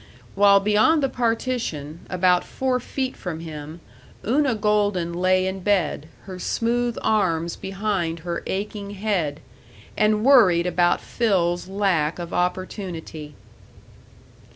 While beyond the partition, about four feet from him, Una Golden lay in bed, her smooth arms behind her aching head, and worried about Phil's lack of opportunity.